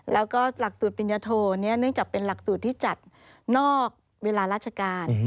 แล้วก็หลักสูตรปิญญโทเนื่องจากเป็นหลักสูตรที่จัดนอกเวลาราชการ